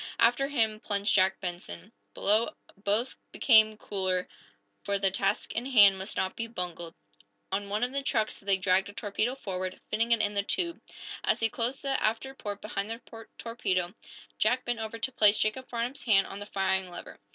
After him plunged Jack Benson. Below, both became cooler, for the task in hand must not be bungled. On one of the trucks they dragged a torpedo forward, fitting it in the tube. As he closed the after port behind the torpedo, Jack bent over to place Jacob Farnum's hand on the firing lever.